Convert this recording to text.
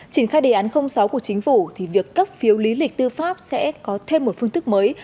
trình khai đề án sáu của chính phủ thì việc cấp phiếu lý lịch tư pháp sẽ có thêm một phương thức mới